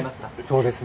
そうです。